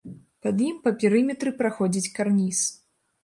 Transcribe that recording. Пад ім па перыметры праходзіць карніз.